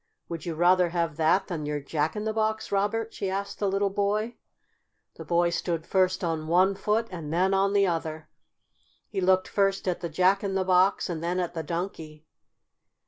"Would you rather have that than your Jack in the Box, Robert?" she asked the little boy. The boy stood first on one foot and then on the other. He looked first at the Jack in the Box and then at the Donkey.